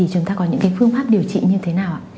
chúng ta có những cái phương pháp điều trị như thế nào ạ